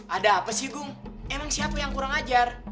ada apa sih gung emang siapa yang kurang ajar